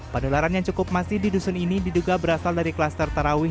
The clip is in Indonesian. padularan yang cukup masif di dusun ini diduga berasal dari kluster tarawih